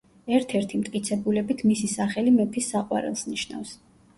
ერთ-ერთი მტკიცებულებით, მისი სახელი „მეფის საყვარელს“ ნიშნავს.